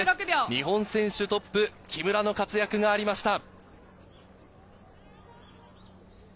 日本選手トップ、木村の活躍がありました。